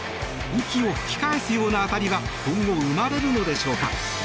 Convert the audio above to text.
息を吹き返すような当たりは今後生まれるのでしょうか。